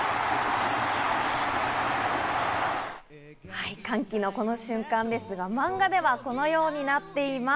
はい、歓喜のこの瞬間ですが、漫画ではこのようになっています。